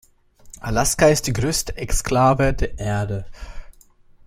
Alaska ist die größte Exklave der Erde.